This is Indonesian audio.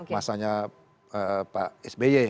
masanya pak sby